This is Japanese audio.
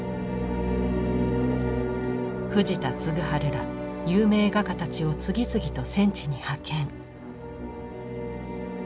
藤田嗣治ら有名画家たちを次々と戦地に派遣。